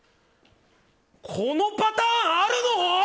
このパターンあるの？